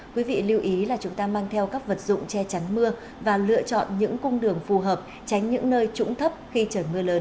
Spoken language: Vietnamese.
quý vị lưu ý là chúng ta mang theo các vật dụng che chắn mưa và lựa chọn những cung đường phù hợp tránh những nơi trũng thấp khi trời mưa lớn